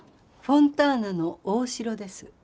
フォンターナの大城です。